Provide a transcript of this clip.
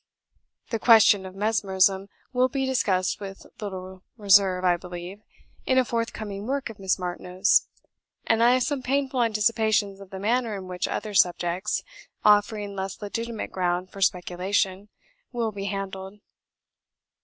The question of mesmerism will be discussed with little reserve, I believe, in a forthcoming work of Miss Martineau's; and I have some painful anticipations of the manner in which other subjects, offering less legitimate ground for speculation, will be handled."